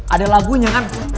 ada lagunya kan